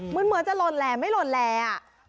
เหมือนจะลดแหร่ไม่ลดแหร่อ่ะ